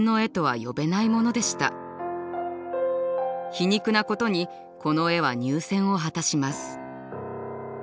皮肉なことにこの絵は入選を果たします。